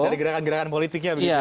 dari gerakan gerakan politiknya begitu ya